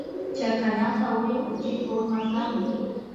Chakanata uraykuchishpa urmarkani